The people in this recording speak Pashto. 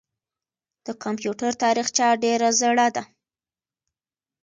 د کمپیوټر تاریخچه ډېره زړه ده.